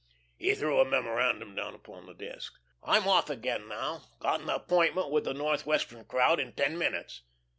He threw a memorandum down upon the desk. "I'm off again now. Got an appointment with the Northwestern crowd in ten minutes.